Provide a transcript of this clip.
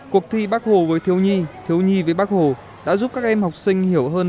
cuộc thi bắc hồ với thiếu nhi thiếu nhi với bắc hồ đã giúp các em học sinh hiểu hơn